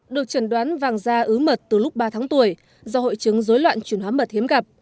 được trần đoán vàng da ứ mật từ lúc ba tháng tuổi do hội chứng dối loạn chuyển hóa mật hiếm gặp